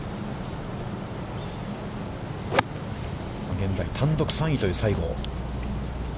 現在単独３位という西郷。